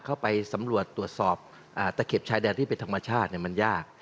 เข้าไปสำรวจตรวจสอบตะเข็บชายแดนที่เป็นธรรมชาติมันยาก